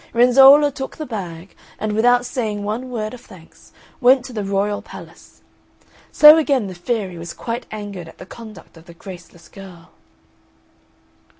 Renzolla took the bag, and without saying one word of thanks, went to the royal palace; so again the fairy was quite angered at the conduct of the graceless girl.